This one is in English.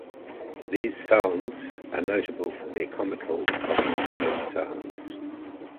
These sounds are notable for their comical, often human sounds.